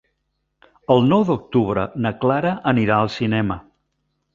El nou d'octubre na Clara anirà al cinema.